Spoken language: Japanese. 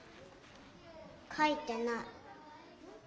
書いてない。